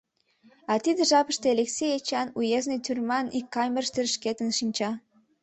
А тиде жапыште Элексей Эчан уездный тюрьман ик камерыштыже шкетын шинча.